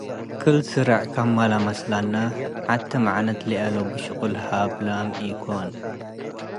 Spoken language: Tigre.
ክል-ስሬዕ ክመ ለመስለነ ሐቴ መዕነት ለአለቡ ሽቅል ሀብላም ኢኮን ።